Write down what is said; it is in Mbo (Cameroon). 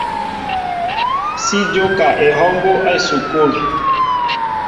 Si jóka ehɔw mbóʼ á esukul.